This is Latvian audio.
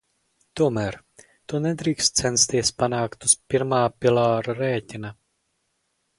Tomēr to nedrīkst censties panākt uz pirmā pīlāra rēķina.